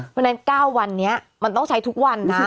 เพราะฉะนั้น๙วันนี้มันต้องใช้ทุกวันนะ